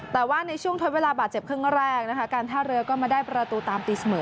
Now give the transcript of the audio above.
แต่ว่าในช่วงถ้วยเวลาบาดเจ็บขึ้นก็แรกการท่าเรือก็มาได้ประตูตามตีเสมอ